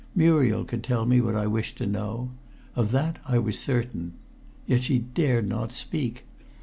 Muriel could tell me what I wished to know. Of that I was certain. Yet she dared not speak.